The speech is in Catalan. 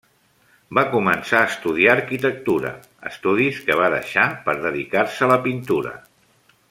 Va començar a estudiar arquitectura, estudis que va deixar per dedicar-se a la pintura.